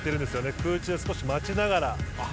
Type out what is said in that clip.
空中、少し待ちながら。